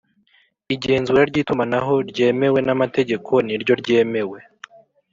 Igenzura ry itumanaho ryemewe n amategeko ni ryo ryemewe